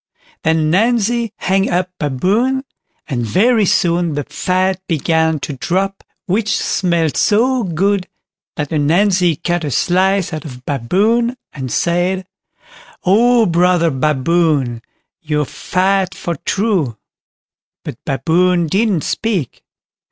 Then Ananzi hung up Baboon, and very soon the fat began to drop, which smelt so good that Ananzi cut a slice out of Baboon, and said, "Oh! brother Baboon, you're fat for true." But Baboon didn't speak.